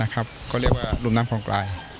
เขาเรียกว่ารุ่นน้ำคลองกล้า